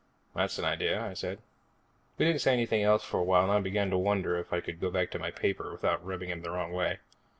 "That's an idea," I said. We didn't say anything else for a while and I began to wonder if I could go back to my paper without rubbing him the wrong way.